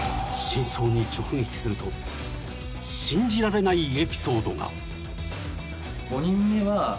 ［真相に直撃すると信じられないエピソードが］